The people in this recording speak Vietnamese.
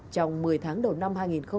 trong một mươi tháng đầu năm hai nghìn hai mươi